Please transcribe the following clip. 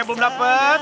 sumpat sumpat sumpat